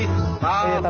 tapi dari twitter